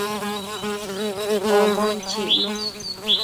Omon chicnu